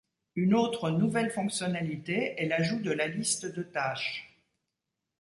Une autre nouvelle fonctionnalité est l'ajout de la liste de taches.